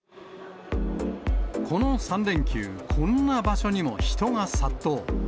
この３連休、こんな場所にも人が殺到。